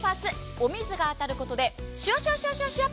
お水が当たることでシュワシュワっ。